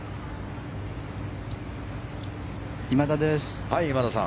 今田です。